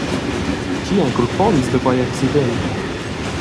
Tgi ei culponts da quei accident?